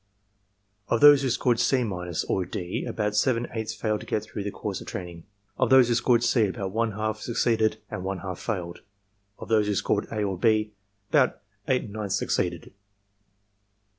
Of those who scored C minus, or D, about seven eighths failed to get through the course of training. Of those who scored C, about one half suc ceeded and one half failed. Of those who scored A or B, about eight ninths succeeded.